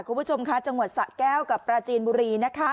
คุณผู้ชมค่ะจังหวัดสะแก้วกับปราจีนบุรีนะคะ